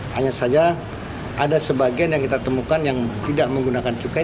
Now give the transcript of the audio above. hanya saja ada sebagian yang kita temukan yang tidak menggunakan cukai